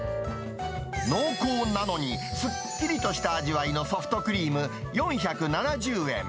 濃厚なのに、すっきりとした味わいのソフトクリーム４７０円。